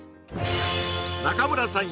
中村さん